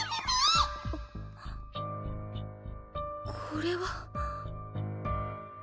これは？